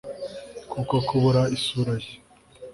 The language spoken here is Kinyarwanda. kuko kubura isura ye